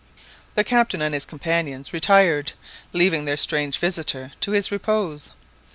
The Captain and his companions retired, leaving their strange visitor to his repose.